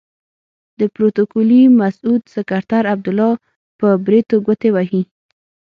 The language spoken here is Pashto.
د پروتوکولي مسعود سکرتر عبدالله په بریتو ګوتې وهي.